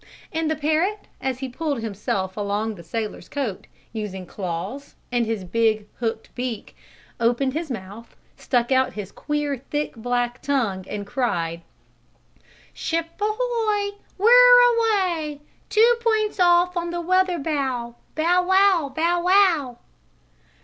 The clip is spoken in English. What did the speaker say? And the parrot, as he pulled himself along the sailor's coat, using claws and his big, hooked beak, opened his mouth, stuck out his queer, thick black tongue and cried: "Ship ahoy! Where away! Two points off on the weather bow! Bow wow! Bow wow!"